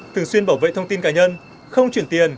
thường xuyên bảo vệ thông tin cá nhân không chuyển tiền